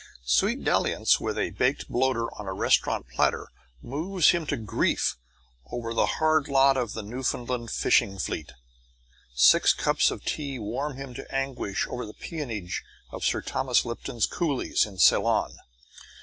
Sweet dalliance with a baked bloater on a restaurant platter moves him to grief over the hard lot of the Newfoundland fishing fleet. Six cups of tea warm him to anguish over the peonage of Sir Thomas Lipton's coolies in Ceylon.